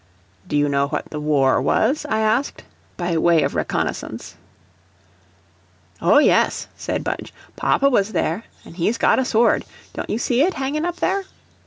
"Do you know what the war was?" I asked, by way of reconnoissance. "Oh, yes," said Budge; "papa was there, an' he's got a sword; don't you see it, hangin' up there?"